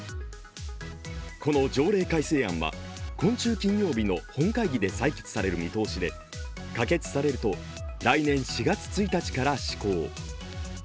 この条例改正案は今週金曜日の本会議で採決される見通しで、可決されると来年４月１日から施行。